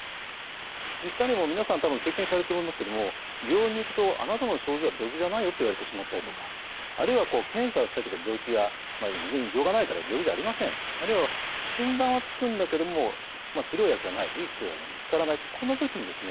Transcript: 実際にもう皆さん多分経験されてると思いますけれども病院に行くと「あなたの症状は病気じゃないよ」って言われてしまったりとかあるいはこう検査をしたけど病気が異常がないから病気じゃありませんあるいは診断はつくんだけども治療薬がないいい薬が見つからないこんな時にですね